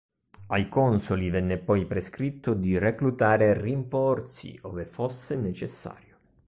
Ai consoli venne poi prescritto di reclutare rinforzi, ove fosse necessario.